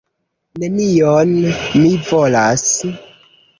Nenion mi volas.